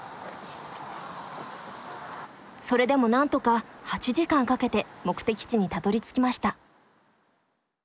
それでもなんとか８時間かけて目的地にたどりつきました。